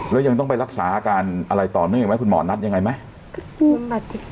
แล้วยังต้องไปรักษาอาการอะไรต่อเนื่องอีกไหมคุณหมอนัดยังไงไหม